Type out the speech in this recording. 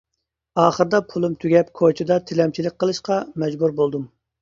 ئاخىرىدا پۇلۇم تۈگەپ كوچىدا تىلەمچىلىك قىلىشقا مەجبۇر بولدۇم.